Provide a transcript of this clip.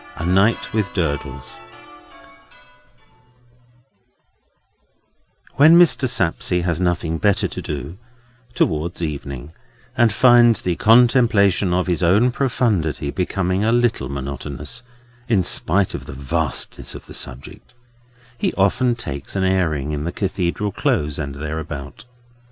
A NIGHT WITH DURDLES When Mr. Sapsea has nothing better to do, towards evening, and finds the contemplation of his own profundity becoming a little monotonous in spite of the vastness of the subject, he often takes an airing in the Cathedral Close and thereabout.